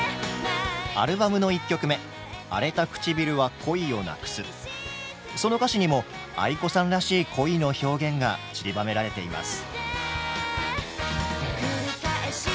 アルバムの１曲目その歌詞にもａｉｋｏさんらしい恋の表現がちりばめられています。